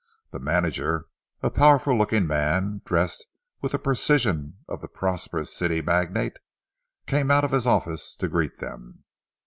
The manager, a powerful looking man dressed with the precision of the prosperous city magnate, came out of his office to greet them.